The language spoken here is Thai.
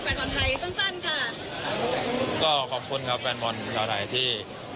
แฟนบอลไทยสั้นสั้นค่ะก็ขอบคุณครับแฟนบอลชาวไทยที่